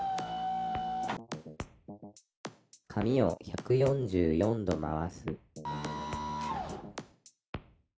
「紙を１４４度回す」